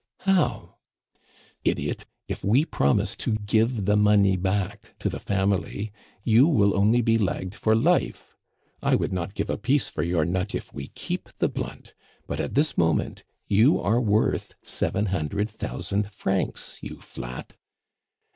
"How?" "Idiot, if we promise to give the money back to the family, you will only be lagged for life. I would not give a piece for your nut if we keep the blunt, but at this moment you are worth seven hundred thousand francs, you flat."